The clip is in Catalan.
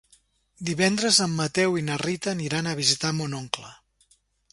Divendres en Mateu i na Rita aniran a visitar mon oncle.